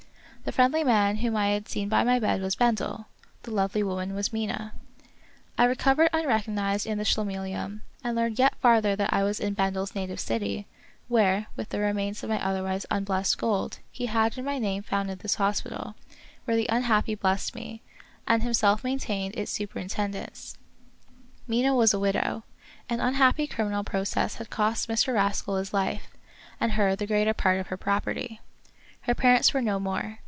The friendly man whom I had seen by my bed was Bendel ; the lovely woman was Mina. of Peter Schlemihl. 1 1 1 I recovered unrecognized in the Schlemihl ium, and learned yet farther that I was in Bendel's native city, where, with the remains of my otherwise unblessed gold, he had in my name founded this hospital, where the unhappy blessed me, and himself maintained its superin tendence. Mina was a widow. An unhappy criminal process had cost Mr. Rascal his life, and her the greater part of her property. Her parents were no more.